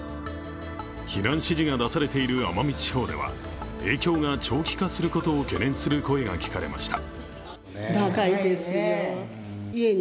避難指示が出されている奄美地方では影響が長期化することを懸念する声が聞かれました。